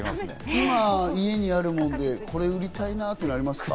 今、家にあるものでこれ売りたいなっていうのありますか？